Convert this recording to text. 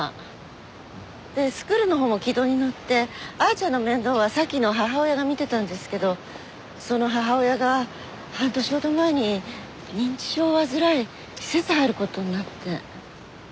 スクールのほうも軌道に乗って亜矢ちゃんの面倒は沙希の母親が見てたんですけどその母親が半年ほど前に認知症を患い施設入る事になって。